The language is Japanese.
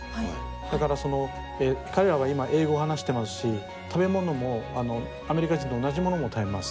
だから彼らは今英語を話してますし食べ物もアメリカ人と同じものも食べます。